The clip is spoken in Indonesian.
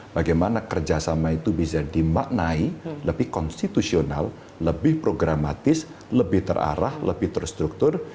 bagaimana kerjasama itu bisa dimaknai lebih konstitusional lebih programatis lebih terarah lebih terstruktur